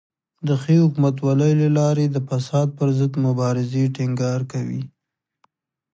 د ښې حکومتولۍ له لارې د فساد پر ضد مبارزې ټینګار کوي.